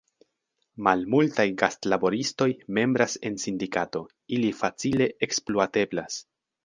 Malmultaj gastlaboristoj membras en sindikato; ili facile ekspluateblas.